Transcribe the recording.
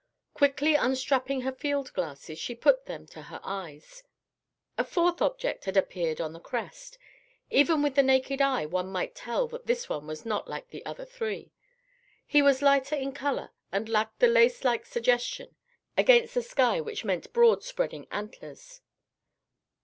Quickly unstrapping her field glasses, she put them to her eyes. A fourth object had appeared on the crest. Even with the naked eye one might tell that this one was not like the other three. He was lighter in color and lacked the lace like suggestion against the sky which meant broad spreading antlers.